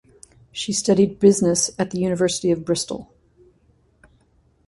She studied business at the University of Bristol.